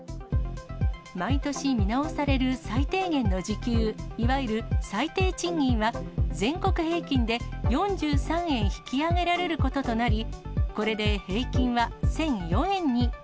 毎年、見直される最低限の時給、いわゆる最低賃金は、全国平均で４３円引き上げられることとなり、これで平均は１００４円に。